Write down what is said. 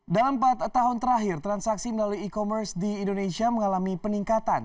dalam empat tahun terakhir transaksi melalui e commerce di indonesia mengalami peningkatan